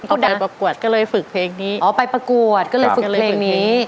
เขาเดินประกวดก็เลยฝึกเพลงนี้อ๋อไปประกวดก็เลยฝึกเพลงนี้